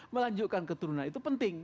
melanjutkan keturunan itu penting